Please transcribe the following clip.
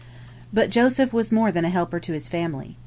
But Joseph was more than a helper to his family.